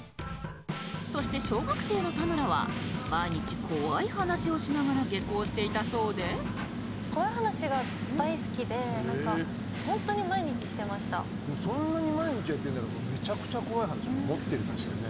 そして小学生の田村は毎日怖い話をしながら下校していたそうでそんなに毎日やってるならめちゃくちゃ怖い話も持ってるってことだよね？